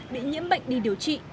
bị nhiễm bệnh đi điều trị